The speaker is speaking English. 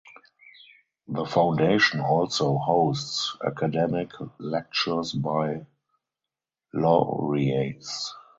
The foundation also hosts academic lectures by laureates.